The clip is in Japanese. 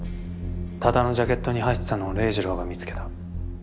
多田のジャケットに入ってたのを黎士郎が見つけた。